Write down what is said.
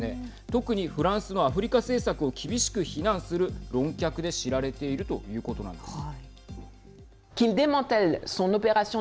特にフランスのアフリカ政策を厳しく非難する論客で知られているということなんです。